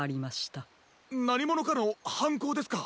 なにものかのはんこうですか！？